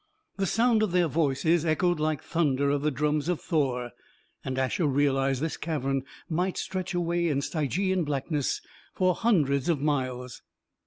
The sound of their voices echoed like thunder of the drums of Thor, and Asher realized this cavern might stretch away in Stygian blackness for hundreds of miles.